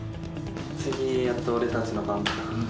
次やっと俺たちの番だな。